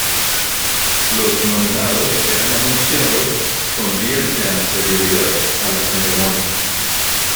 Los nominados eran anunciados con días de anterioridad a la ceremonia.